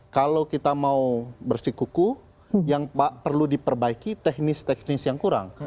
kalau kita mau bersikuku yang perlu diperbaiki teknis teknis yang kurang